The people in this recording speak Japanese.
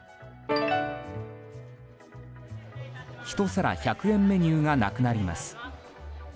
１皿１００円メニューがなくなります。